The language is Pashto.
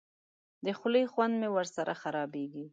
د خولې خوند مې ورسره خرابېږي.